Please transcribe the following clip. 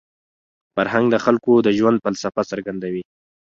فرهنګ د خلکو د ژوند فلسفه څرګندوي.